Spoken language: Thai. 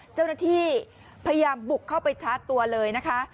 เจ้าหน้าที่พยายามบุกเข้าไปชาร์จตัวเลยนะคะ